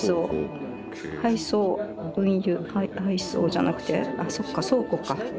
配送じゃなくてあっそっか倉庫か。